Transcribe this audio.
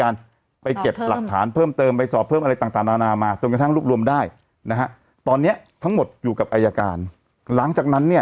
แล้วถ้าเกิดว่าเราไปดูอย่างเนี้ย